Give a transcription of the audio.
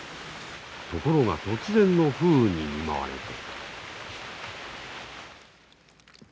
ところが突然の風雨に見舞われて。